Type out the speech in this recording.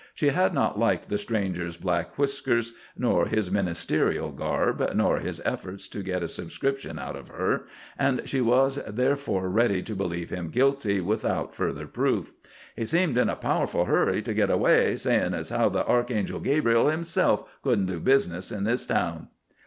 She had not liked the stranger's black whiskers, nor his ministerial garb, nor his efforts to get a subscription out of her, and she was therefore ready to believe him guilty without further proof. "He seemed in a powerful hurry to git away, sayin' as how the Archangel Gabriel himself couldn't do business in this town."